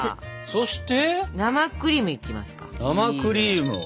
そして！